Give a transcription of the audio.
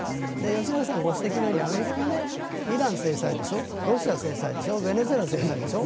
吉永さんがご指摘のようにアメリカがイラン制裁でしょロシア制裁でしょベネズエラの制裁でしょ。